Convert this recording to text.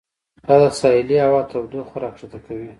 دا د ساحلي هوا تودوخه راښکته کوي.